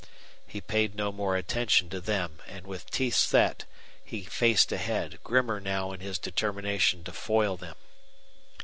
He paid no more attention to them, and with teeth set he faced ahead, grimmer now in his determination to foil them.